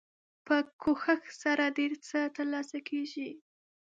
په کوښښ سره ډیر څه تر لاسه کیږي.